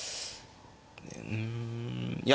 うんいや